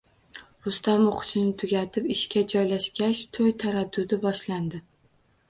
Rustam o`qishini tugatib, ishga joylashgach, to`y taraddudi boshlandi